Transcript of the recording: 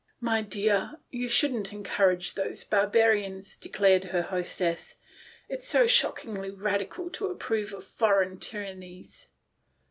" My dear, you shouldn't encourage those barbarians," declared her hostess, "it's so shockingly radical to approve of foreign tyrannies.'